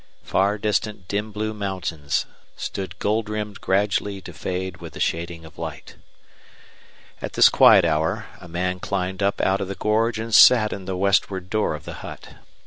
Far distant dim blue mountains stood gold rimmed gradually to fade with the shading of light. At this quiet hour a man climbed up out of the gorge and sat in the westward door of the hut.